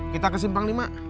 kita ke simpang lima